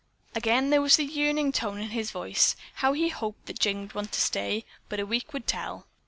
Again there was the yearning note in his voice. How he hoped that Jane would want to stay, but a week would tell.